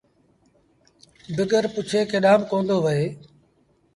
بگر پُڇي ڪيڏآݩ با ڪوندو وهي